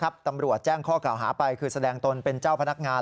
ตำรวจแจ้งข้อกล่าวหาไปคือแสดงตนเป็นเจ้าพนักงาน